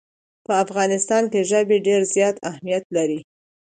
په افغانستان کې ژبې ډېر زیات اهمیت لري.